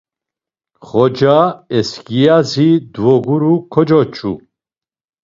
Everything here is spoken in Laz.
Xoca eskiyazi dvoguru kocoç̌u.